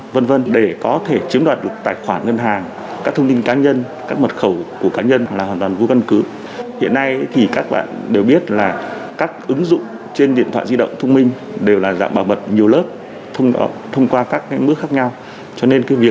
ví dụ như khi bấm số